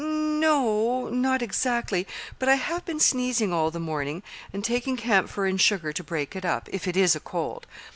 "N no, not exactly; but I have been sneezing all the morning, and taking camphor and sugar to break it up if it is a cold.